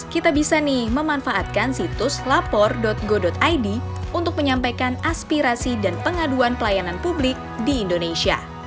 kita bisa nih memanfaatkan situs lapor go id untuk menyampaikan aspirasi dan pengaduan pelayanan publik di indonesia